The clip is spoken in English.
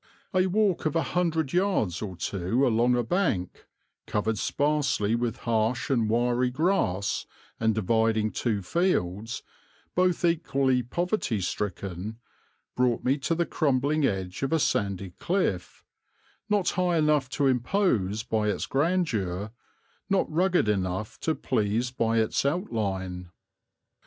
A walk of a hundred yards or two along a bank, covered sparsely with harsh and wiry grass, and dividing two fields, both equally poverty stricken, brought me to the crumbling edge of a sandy cliff, not high enough to impose by its grandeur, not rugged enough to please by its outline.